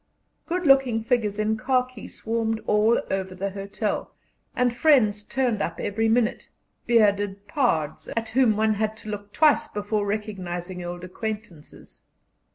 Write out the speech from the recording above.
Good looking figures in khaki swarmed all over the hotel, and friends turned up every minute bearded pards, at whom one had to look twice before recognizing old acquaintances.